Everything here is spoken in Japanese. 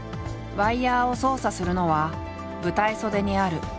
ワイヤーを操作するのは舞台袖にある綱元。